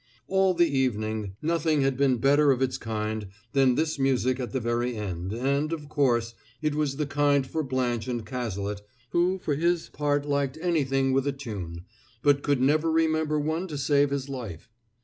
All the evening nothing had been better of its kind than this music at the very end; and, of course, it was the kind for Blanche and Cazalet, who for his part liked anything with a tune, but could never remember one to save his life.